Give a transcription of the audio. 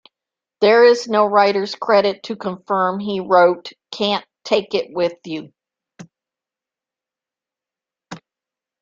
There is no writer's credit to confirm he co-wrote "Can't Take It with You".